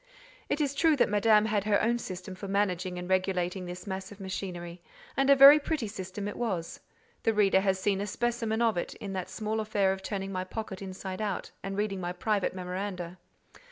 It is true that Madame had her own system for managing and regulating this mass of machinery; and a very pretty system it was: the reader has seen a specimen of it, in that small affair of turning my pocket inside out, and reading my private memoranda.